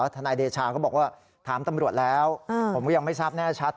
ทนายเดชาก็บอกว่าถามตำรวจแล้วผมก็ยังไม่ทราบแน่ชัด